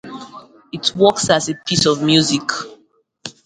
It works as a piece of music.